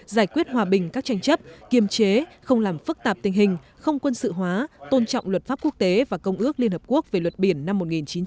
giải quyết hòa bình các tranh chấp kiềm chế không làm phức tạp tình hình không quân sự hóa tôn trọng luật pháp quốc tế và công ước liên hợp quốc về luật biển năm một nghìn chín trăm tám mươi hai